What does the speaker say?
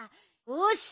よし！